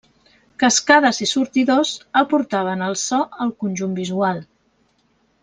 Cascades i sortidors aportaven el so al conjunt visual.